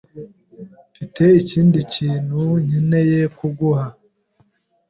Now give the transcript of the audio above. Mfite ikindi kintu nkeneye kuguha.